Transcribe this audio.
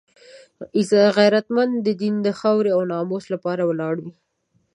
غیرتمند د دین، خاورې او ناموس لپاره ولاړ وي